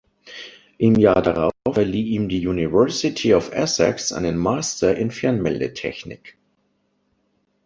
Im Jahr darauf verlieh ihm die University of Essex einen Master in Fernmeldetechnik.